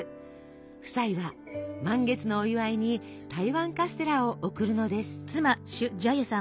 夫妻は満月のお祝いに台湾カステラを送るのです。